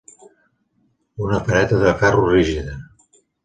Una vareta de ferro rígida.